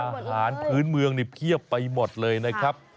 อาหารพื้นเมืองนี่เพียบไปหมดเลยนะครับ